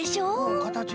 かたちが。